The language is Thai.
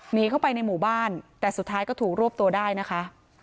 หนีเข้าไปในหมู่บ้านแต่สุดท้ายก็ถูกรวบตัวได้นะคะ